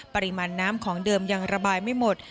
ปริมาณน้ำของเดิมยังระบายไม่หมด